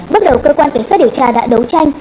bước đầu cơ quan kiểm soát điều tra đã đấu tranh